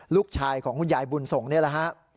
ลูกชายของคุณยายบุญสงฆ์นี่แหละฮะ